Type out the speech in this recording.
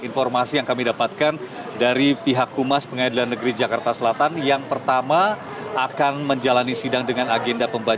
informasi yang kami dapatkan dari pihak humas pengadilan negeri jakarta selatan yang pertama akan menjalani sidang dengan agenda pembacaan